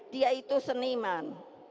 dia itu seniman